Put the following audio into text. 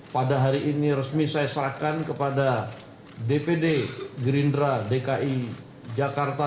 pada hari ini resmi saya serahkan kepada dpd gerindra dki jakarta